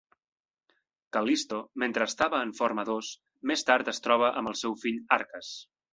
Cal·listo, mentre estava en forma d'os, més tard es troba amb el seu fill Arcas.